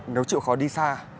nếu chịu khó đi xa